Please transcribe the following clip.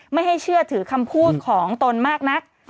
ไม่ให้เชื่อถือคำพูดของตนมากนัก